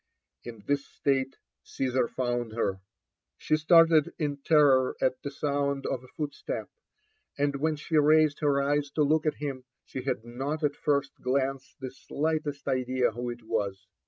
la this state Caesar found her. She started in terror at the sound of a footstep ; and when she raised her eyes to look at him, she had not at the first glanee the slightest idea who it was.